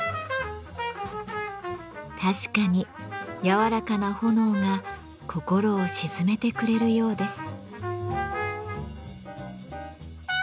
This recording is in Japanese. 確かに柔らかな炎が心を静めてくれるようです。